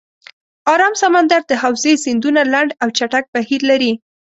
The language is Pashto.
آرام سمندر د حوزې سیندونه لنډ او چټک بهیر لري.